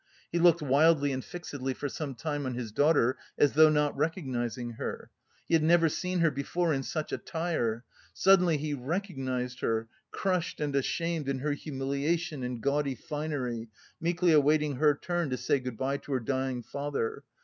He looked wildly and fixedly for some time on his daughter, as though not recognising her. He had never seen her before in such attire. Suddenly he recognised her, crushed and ashamed in her humiliation and gaudy finery, meekly awaiting her turn to say good bye to her dying father.